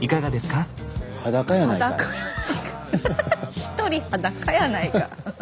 １人裸やないか！